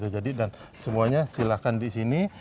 jadi dan semuanya silakan di sini